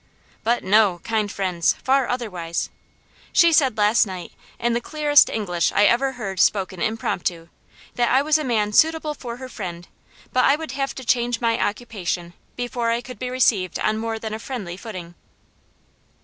But no, kind friends, far otherwise! She said last night, in the clearest English I ever heard spoken impromptu, that I was a man suitable for her friend, but I would have to change my occupation before I could be received on more than a friendly footing."